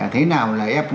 thế nào là f một